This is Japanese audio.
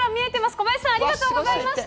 小林さん、ありがとうございました。